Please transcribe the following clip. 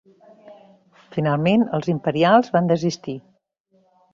Finalment, els imperials van desistir.